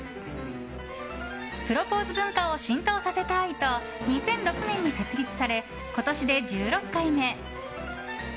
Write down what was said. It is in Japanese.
プロポーズ文化を浸透させたいと２００６年に設立され今年で１６回目。